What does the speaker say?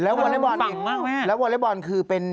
แล้ววอร์เรบอร์นมันบังมากแม่แล้ววอร์เรบอร์นคือเป็น